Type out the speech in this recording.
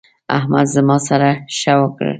احمد زما سره ښه وکړل.